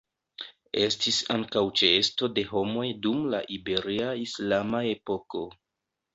Estis ankaŭ ĉeesto de homoj dum la Iberia islama epoko.